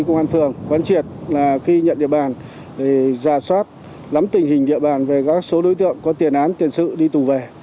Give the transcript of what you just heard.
công an phường quán triệt là khi nhận địa bàn để giả soát nắm tình hình địa bàn về các số đối tượng có tiền án tiền sự đi tù về